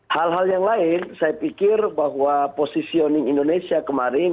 hal hal yang lain saya pikir bahwa positioning indonesia kemarin